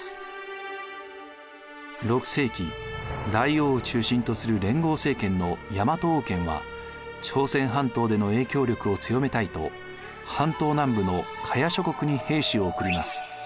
６世紀大王を中心とする連合政権の大和王権は朝鮮半島での影響力を強めたいと半島南部の伽耶諸国に兵士を送ります。